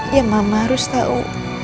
ya mama harus tau